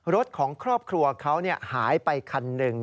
รถของครอบครัวเขาหายไปคันหนึ่ง